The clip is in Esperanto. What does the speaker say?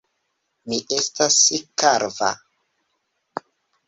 Mi estas kalva.